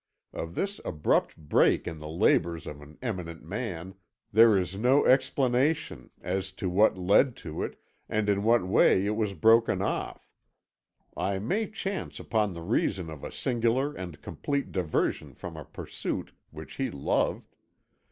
Of this abrupt break in the labours of an eminent man there is no explanation as to what led to it, and in what way it was broken off. I may chance upon the reason of a singular and complete diversion from a pursuit which he loved.